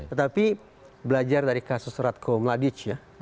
tetapi belajar dari kasus ratko meladij ya